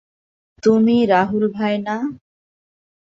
তুমি রাহুল তাই না?